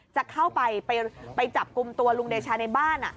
จะเข้าไปไปจับกลุ่มตัวลุงเดชาในบ้าน